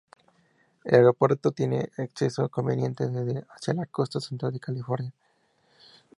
El aeropuerto tiene un acceso conveniente desde y hacia la costa central de California.